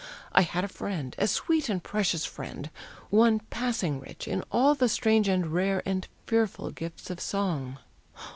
I had a friend, a sweet and precious friend, One passing rich in all the strange and rare, And fearful gifts of song.